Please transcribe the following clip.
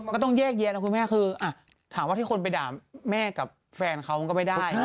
ก็ต้องแยกแยะนะคุณแม่คือถามว่าที่คนไปด่าแม่กับแฟนเขาก็ไม่ได้